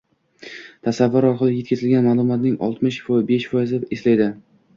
tasvir orqali yetkazilgan ma’lumotning oltmish besh foizini eslaydi.